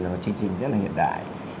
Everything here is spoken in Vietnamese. là một chương trình rất là hiện đại